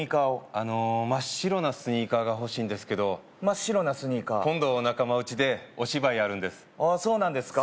あの真っ白なスニーカーが欲しいんですけど真っ白なスニーカー今度仲間内でお芝居やるんですああそうなんですか